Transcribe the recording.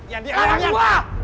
lari ke gue